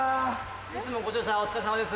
いつもご乗車お疲れさまです。